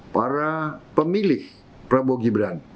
para pemilih prabowo gibran